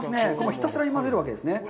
ひたすらに混ぜるわけですね。